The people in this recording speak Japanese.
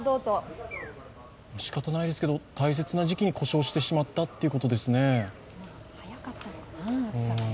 しかたないですけど、大切な時期に故障してしまったということですね。